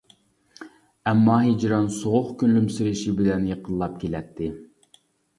ئەمما، ھىجران سوغۇق كۈلۈمسىرىشى بىلەن يېقىنلاپ كېلەتتى.